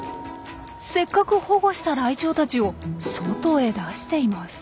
せっかく保護したライチョウたちを外へ出しています。